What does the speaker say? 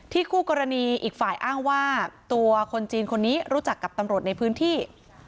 คู่กรณีอีกฝ่ายอ้างว่าตัวคนจีนคนนี้รู้จักกับตำรวจในพื้นที่